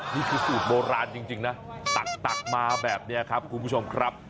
นี่คือสูตรโบราณจริงนะตักมาแบบนี้ครับคุณผู้ชมครับ